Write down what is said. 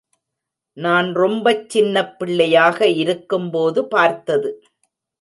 நான் ரொம்பச் சின்னப் பிள்ளையாக இருக்கும்போது பார்த்தது.